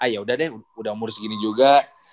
ya udah deh udah umur segini juga